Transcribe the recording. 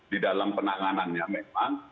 di dalam penanganannya memang